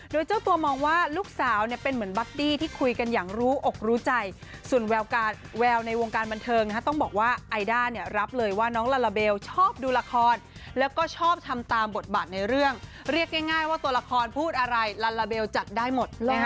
โดยเจ้าตัวมองว่าลูกสาวเนี่ยเป็นเหมือนบัดดี้ที่คุยกันอย่างรู้อกรู้ใจส่วนแววในวงการบันเทิงต้องบอกว่าไอด้าเนี่ยรับเลยว่าน้องลาลาเบลชอบดูละครแล้วก็ชอบทำตามบทบาทในเรื่องเรียกง่ายว่าตัวละครพูดอะไรลาลาเบลจัดได้หมด